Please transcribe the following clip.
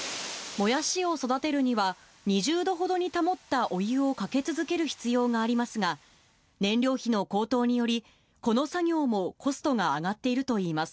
もやしを育てるには、２０度ほどに保ったお湯をかけ続ける必要がありますが、燃料費の高騰により、この作業もコストが上がっているといいます。